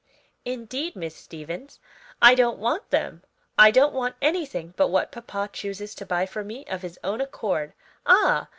"Indeed, Miss Stevens, I don't want them! I don't want anything but what papa chooses to buy for me of his own accord. Ah!